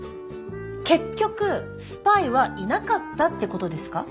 結局スパイはいなかったってことですか？